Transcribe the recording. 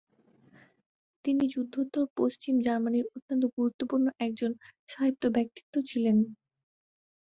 তিনি যুদ্ধোত্তর পশ্চিম জার্মানির অত্যন্ত গুরুত্বপূর্ণ একজন সাহিত্য-ব্যক্তিত্ব ছিলেন।